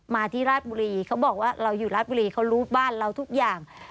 มาที่ราชบุรีเขาบอกว่าเราอยู่ราชบุรีเขารู้บ้านเราทุกอย่าง